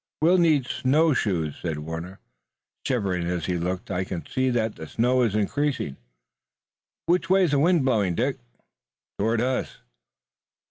"We'll need snow shoes," said Warner, shivering as he looked. "I can see that the snow is increasing. Which way is the wind blowing, Dick?" "Toward us."